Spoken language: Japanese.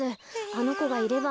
あのこがいれば。